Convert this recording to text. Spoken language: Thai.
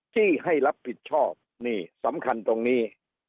จี้ให้รับผิดชอบนี่สำคัญตรงนี้